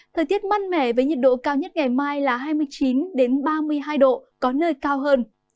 thời tiết mát mẻ với nhiệt độ cao nhất ngày mai là hai mươi chín ba mươi hai độ có nơi cao hơn